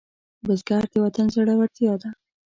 بزګر د وطن زړورتیا ده